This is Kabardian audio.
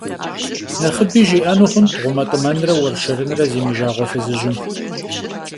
Нэхъыби жиӀэну хъунт гъумэтӀымэнрэ уэршэрынрэ зимыжагъуэ фызыжьым.